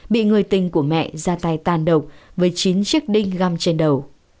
bị người tình của mẹ ra tay tàn độc với chín chiếc đinh găm trên đầu